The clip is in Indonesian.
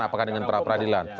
apakah dengan peradilan